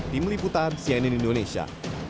tim liputan cnn indonesia